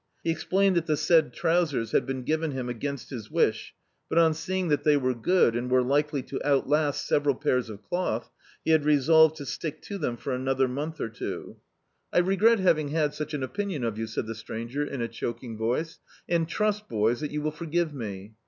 He explained that the said trousers had been ^ven him against his wish, but on seeing that they were good, and were likely to outlast several pairs of cloth, he had re solved to stick to them for another month or two. Do.icdt, Google The Autobiography of a Super Tramp "I regret having had such an opinion of you," said the stranger, in a choking voice, "and trust, boys, that you will forgive me."